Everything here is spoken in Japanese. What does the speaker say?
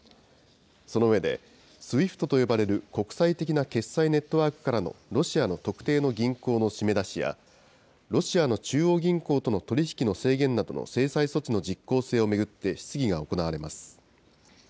その上で、ＳＷＩＦＴと呼ばれる国際的な決済ネットワークからのロシアの特定の銀行の締め出しや、ロシアの中央銀行との取り引きの制限などの制裁措置の実効性を巡って、質疑が行われます。